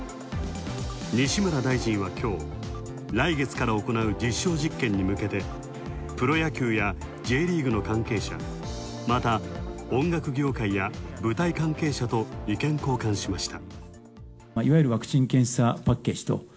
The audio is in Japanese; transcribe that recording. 西村大臣はきょう、来月から行う実証実験に向けてプロ野球やＪリーグの関係者、また音楽業界や舞台関係者と意見交換しました。